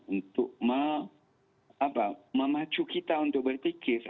untuk memacu kita untuk berpikir